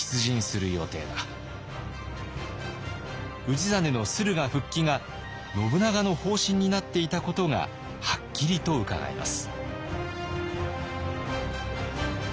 氏真の駿河復帰が信長の方針になっていたことがはっきりとうかがえます。